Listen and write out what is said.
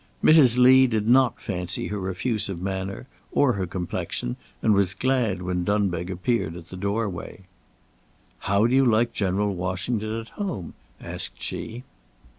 Mrs. Lee did not fancy her effusive manner, or her complexion, and was glad when Dunbeg appeared at the doorway. "How do you like General Washington at home?" asked she.